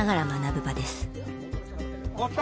おおきた！